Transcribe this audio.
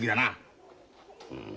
うん。